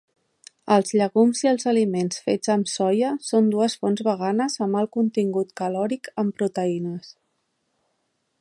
Els llegums i els aliments fets amb soia són dues fonts veganes amb alt contingut calòric en proteïnes.